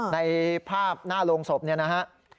ในภาพหน้าโลงศพนี่นะครับ